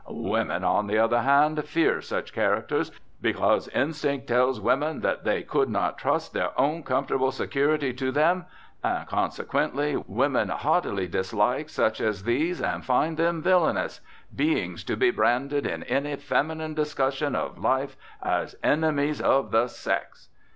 Women, on the other hand, fear such characters because instinct tells women that they could not trust their own comfortable security to them; and, consequently, women heartily dislike such as these and find them villainous, beings to be branded in any feminine discussion of life as enemies of the sex.